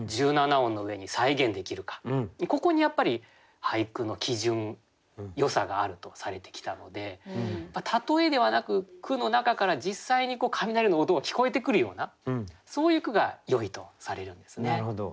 ここにやっぱり俳句の基準よさがあるとされてきたので例えではなく句の中から実際に雷の音が聞こえてくるようなそういう句がよいとされるんですね。